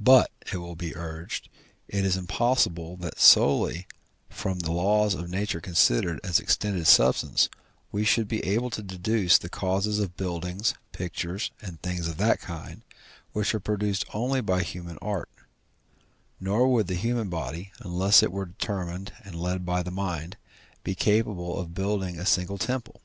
But, it will be urged, it is impossible that solely from the laws of nature considered as extended substance, we should be able to deduce the causes of buildings, pictures, and things of that kind, which are produced only by human art; nor would the human body, unless it were determined and led by the mind, be capable of building a single temple.